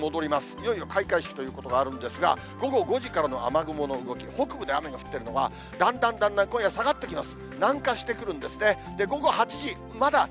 いよいよ開会式ということがあるんですが、午後５時からの雨雲の動き、北部で雨が降っているのが、だんだんだんだん、今夜下がってきます。